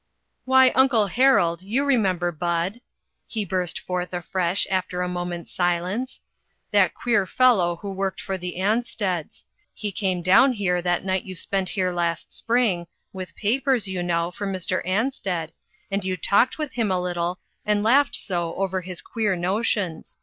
" Wiry, uncle Harold, you remember Bud," he burst forth afresh after a moment's si lence, " that queer fellow who worked for the Ansteds ; he came down here that night you spent here last spring, with papers, you know, for Mr. Ansted, and you talked with him a little, and laughed so over his queer notions.